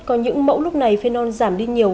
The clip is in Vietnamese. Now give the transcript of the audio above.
có những mẫu lúc này phenol giảm đi nhiều